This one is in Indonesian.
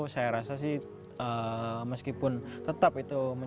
saya rasa sih meskipun tetap itu